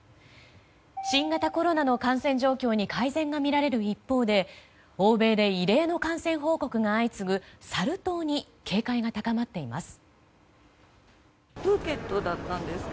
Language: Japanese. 新型コロナの感染状況に改善が見られる一方で欧米で異例の感染報告が相次いでいるサル痘に警戒が高まっています。